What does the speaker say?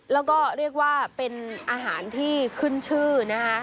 แล้วก็เรียกว่าเป็นอาหารที่ขึ้นชื่อนะคะ